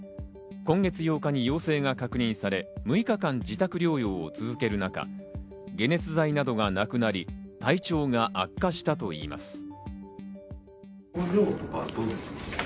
今月８日に陽性が確認され、６日間、自宅療養を続ける中、解熱剤などがなくなり、体調が悪化したといいます。